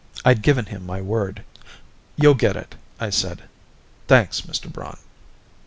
I'd given him my word. "You'll get it," I said. "Thanks, Mr. Braun."